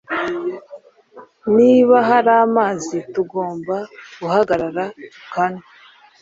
Niba hari amazi tugomba guhagarara tukanywa